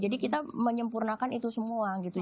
jadi kita menyempurnakan itu semua gitu